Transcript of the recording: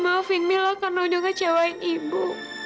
maafin mila karena udah ngecewain ibu